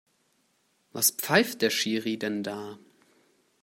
Was pfeift der Schiri denn da?